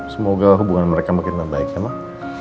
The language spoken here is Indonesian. semoga hubungan mereka makin baik ya mak